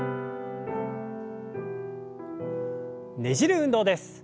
ねじる運動です。